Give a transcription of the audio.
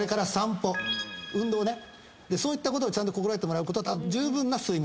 そういったことをちゃんと心掛けてもらうこと十分な睡眠。